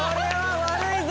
悪いぞ！